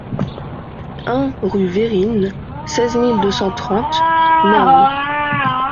un rue Vérines, seize mille deux cent trente Mansle